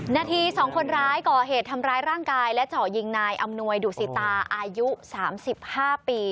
นาที๒คนร้ายก่อเหตุทำร้ายร่างกายและเจาะยิงนายอำนวยดุสิตาอายุ๓๕ปี